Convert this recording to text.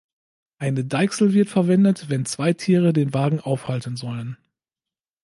Eine Deichsel wird verwendet, wenn zwei Tiere den Wagen aufhalten sollen.